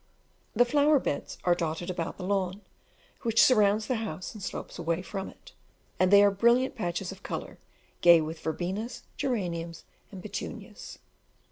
The flower beds are dotted about the lawn, which surrounds the house and slopes away from it, and they are brilliant patches of colour, gay with verbenas, geraniums, and petunias.